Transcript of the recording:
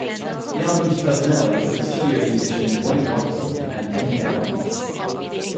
The album's personnel includes studio musicians Waddy Wachtel and Kenny Aronoff.